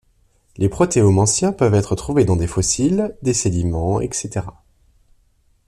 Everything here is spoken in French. Les protéomes anciens peuvent être trouvés dans des fossiles, des sédiments, etc.